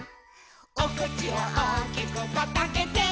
「おくちをおおきくパッとあけて」